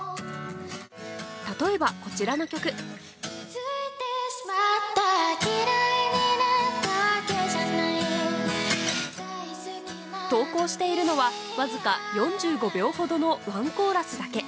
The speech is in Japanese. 例えば、こちらの曲。投稿しているのはわずか４５秒ほどのワンコーラスだけ。